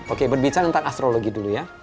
oke berbicara tentang astrologi dulu ya